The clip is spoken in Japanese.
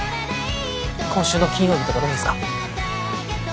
今週の金曜日とかどうですか？